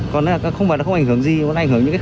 còn không phải nó không ảnh hưởng gì